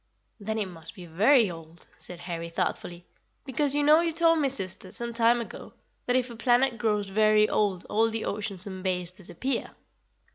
"Then it must be very old," said Harry thoughtfully, "because you know you told me, sister, some time ago, that if a planet grows very old all the oceans and bays disappear."